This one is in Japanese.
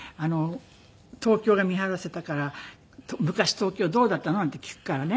東京が見晴らせたから「昔東京どうだったの？」なんて聞くからね